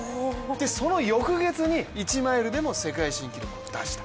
その翌月に１マイルでも世界新記録を出した。